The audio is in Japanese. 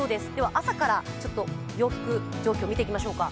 朝から洋服状況を見ていきましょうか。